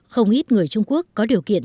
không ít người trung quốc có điều kiện